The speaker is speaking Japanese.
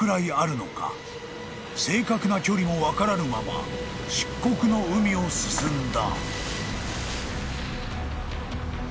［正確な距離も分からぬまま漆黒の海を進んだ］